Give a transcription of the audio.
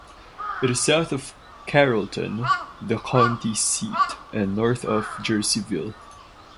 It is south of Carrollton, the county seat, and north of Jerseyville.